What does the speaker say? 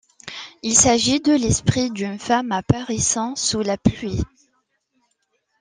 Il s'agit de l'esprit d'une femme apparaissant sous la pluie.